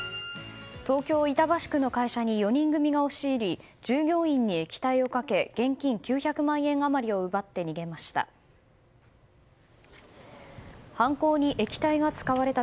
東京・板橋区の会社に４人組が押し入り従業員に液体をかけ現金９００万円余りを奪って逃げました。